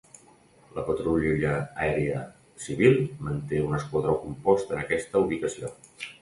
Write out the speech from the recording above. La Patrulla Aèria Civil manté un esquadró compost en aquesta ubicació.